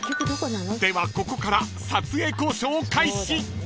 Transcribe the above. ではここから撮影交渉開始］